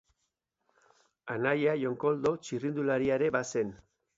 Anaia Jon Koldo txirrindularia ere bazen.